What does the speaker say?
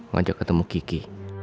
ngajak ketemu kiki